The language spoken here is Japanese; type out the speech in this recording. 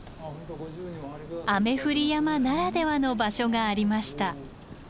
雨降り山ならではの場所がありました。